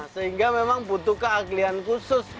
sehingga memang butuh keaklian khusus